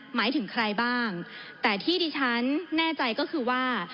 หมายถึงใครบ้างแต่ที่ดิฉันแน่ใจก็คือว่า